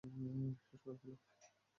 শেষ করে ফেলো।